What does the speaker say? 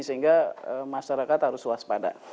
sehingga masyarakat harus waspada